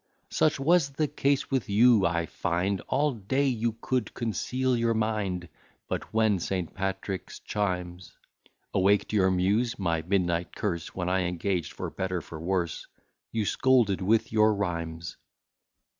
Such was the case with you, I find: All day you could conceal your mind; But when St. Patrick's chimes Awaked your muse, (my midnight curse, When I engaged for better for worse,) You scolded with your rhymes.